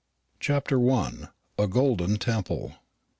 CHAPTER I. A GOLDEN TEMPLE.